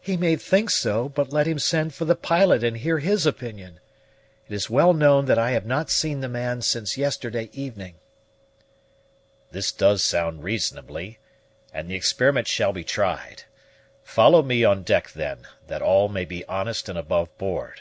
"He may think so; but let him send for the pilot and hear his opinion. It is well known that I have not seen the man since yesterday evening." "This does sound reasonably, and the experiment shall be tried. Follow me on deck then, that all may be honest and above board."